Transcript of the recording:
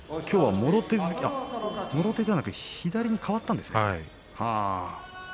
きょうはもろ手突きもろ手ではなく左に変わったんですね。